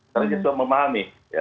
karena dia sudah memahami